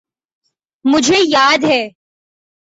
مجھے یاد ہے۔